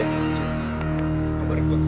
siap hati lo